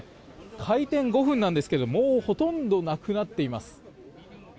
開店５分なんですけどもうほとんどなくなっています。